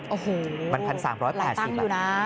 อู้โหมัน๑๓๘๐บาทปัญหาตั้งอยู่นะ